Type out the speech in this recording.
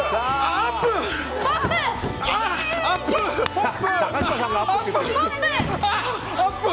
アップ！